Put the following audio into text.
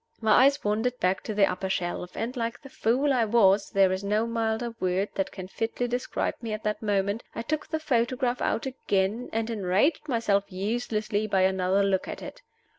My eyes wandered back to the upper shelf; and, like the fool I was (there is no milder word that can fitly describe me at that moment), I took the photograph out again, and enraged myself uselessly by another look at it.